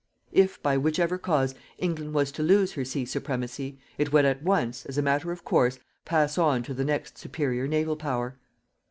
If, by whichever cause, England was to lose her sea supremacy, it would at once, as a matter of course, pass on to the next superior naval Power.